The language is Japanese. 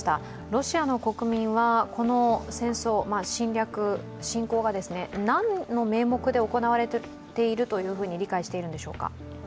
ロシアの国民はこの戦争、侵攻が何の名目で行われていると理解しているんでしょうか。